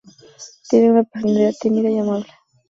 Tiene una personalidad tímida y amable.